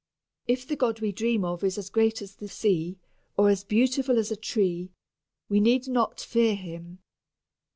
If the God we dream of is as great as the sea, or as beautiful as a tree, we need not fear Him.